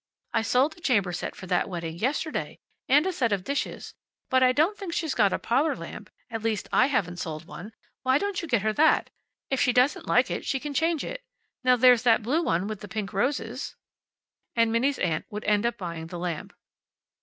"I sold a chamber set for that wedding yesterday. And a set of dishes. But I don't think she's got a parlor lamp. At least I haven't sold one. Why don't you get her that? If she doesn't like it she can change it. Now there's that blue one with the pink roses." And Minnie's aunt would end by buying the lamp.